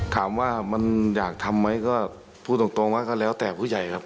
ถามว่ามันอยากทำไหมก็พูดตรงว่าก็แล้วแต่ผู้ใหญ่ครับ